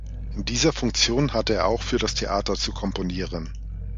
In dieser Funktion hatte er auch für das Theater zu komponieren.